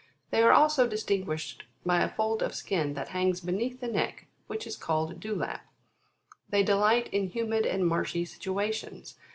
They are also distinguished by a fold of skin that hangs beneath the neck, which is called Dewlap. They delight in humid and marshy situations.